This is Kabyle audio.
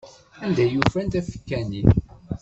Anda i yufan tafekka-nni?